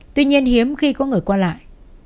tuy nhiên hiếm khi có người qua lại